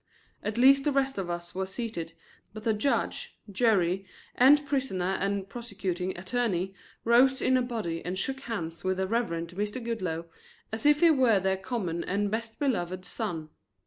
At least the rest of us were seated, but the judge, jury and prisoner and prosecuting attorney rose in a body and shook hands with the Reverend Mr. Goodloe as if he were their common and best beloved son.